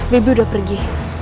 bibi udah pergi